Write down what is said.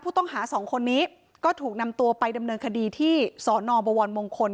สองคนนี้ก็ถูกนำตัวไปดำเนินคดีที่สนบวรมงคล